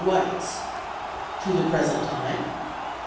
Weitz. To the present time